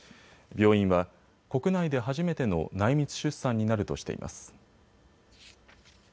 病院は、国内で初めての内密出産になるとしています。